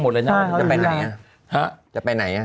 หมดเลยจะไปไหนนะ